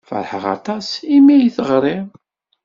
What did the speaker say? Feṛḥeɣ aṭas imi ay d-teɣriḍ.